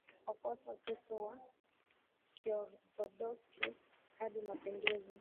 wafuasi wa Ukristo wa Kiorthodoksi hadi mapinduzi